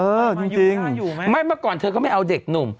จริงไม่เมื่อก่อนเธอก็ไม่เอาเด็กหนุ่ม